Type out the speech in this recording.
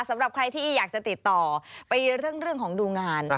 สำหรับใครที่อยากจะติดต่อไปเรื่องของดูงาน